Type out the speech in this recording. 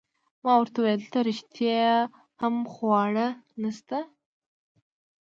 ما ورته وویل: دلته رښتیا هم خواړه نشته؟